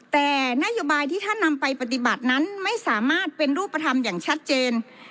แต่นโยบายที่ท่านนำไปปฏิบัตินั้นไม่สามารถเป็นรูปธรรมอย่างชัดเจน